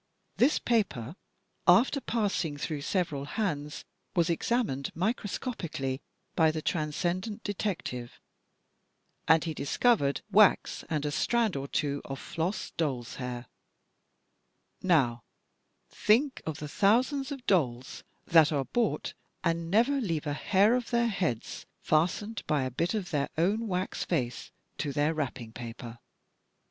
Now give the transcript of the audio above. This paper, after passing through several hands, was examined microscopically by the Transcendent Detective, and he discovered wax and a strand or two of floss doll's hain Now, think of the thousands of dolls that are bought and never leave a hair of their heads fastened by a bit of their own wax face to their wrapping paper!